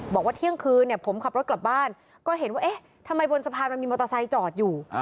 บอกว่าเที่ยงคืนเนี่ยผมขับรถกลับบ้านก็เห็นว่าเอ๊ะทำไมบนสะพานมันมีมอเตอร์ไซค์จอดอยู่